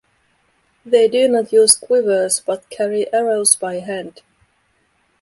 They do not use quivers but carry arrows by hand.